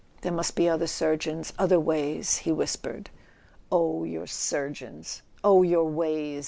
There must be other surgeons ... other ways .. he w T hispered. "Oh, your surgeons ... oh, your ways!"